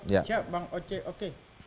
ya bang oce oke